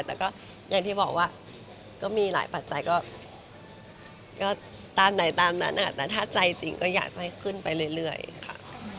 แต่ก็อย่างที่บอกว่าก็มีหลายปัจจัยก็ตามไหนตามนั้นแต่ถ้าใจจริงก็อยากจะให้ขึ้นไปเรื่อยค่ะ